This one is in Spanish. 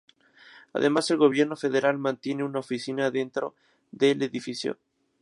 Además, el Gobierno Federal mantiene una oficina dentro del edificio.